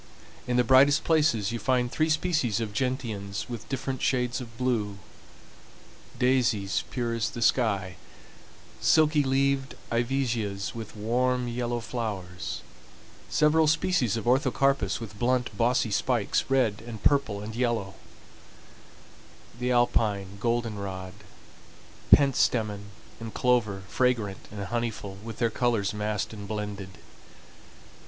In the brightest places you find three species of gentians with different shades of blue, daisies pure as the sky, silky leaved ivesias with warm yellow flowers, several species of orthocarpus with blunt, bossy spikes, red and purple and yellow; the alpine goldenrod, pentstemon, and clover, fragrant and honeyful, with their colors massed and blended.